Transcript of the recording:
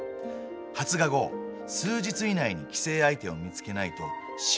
発芽後数日以内に寄生相手を見つけないと死んでしまう。